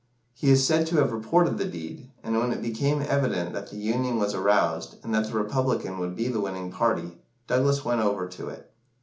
He is said to have repented the deed; and when it became evident that the Union was aroused, and that the Republican would be the winning party, Douglas went over to it.